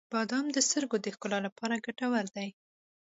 • بادام د سترګو د ښکلا لپاره ګټور دي.